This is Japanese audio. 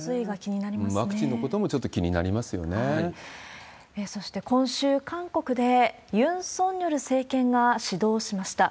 ワクチンのこともちょっと気そして、今週、韓国でユン・ソンニョル政権が始動しました。